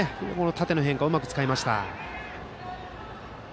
縦の変化をうまく使いました。